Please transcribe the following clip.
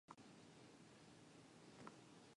辛辣なセリフ